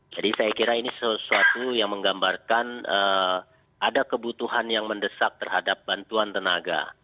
jadi saya kira ini sesuatu yang menggambarkan ada kebutuhan yang mendesak terhadap bantuan tenaga